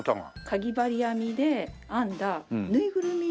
かぎ針編みで編んだぬいぐるみ。